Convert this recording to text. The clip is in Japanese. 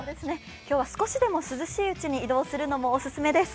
今日は少しでも涼しいうちに移動するのもお勧めです。